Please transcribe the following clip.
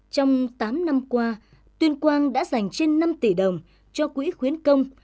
trong tám năm qua tuyên quang đã dành trên năm tỷ đồng cho quỹ khuyến công